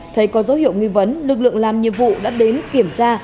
thấy có dấu hiệu nghi vấn lực lượng làm nhiệm vụ đã đến kiểm tra